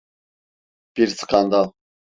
Bir Skandal.